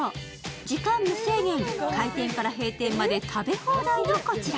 時間無制限、開店から閉店まで食べ放題のこちら。